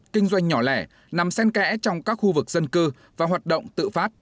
kinh doanh nhỏ lẻ nằm sen kẽ trong các khu vực dân cư và hoạt động tự phát